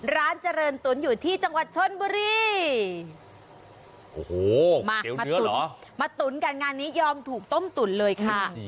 ร้านเจริญตุ๋นอยู่ที่จังหวัดชนบุรีโอ้โหมามาตุ๋นมาตุ๋นกันงานนี้ยอมถูกต้มตุ๋นเลยค่ะ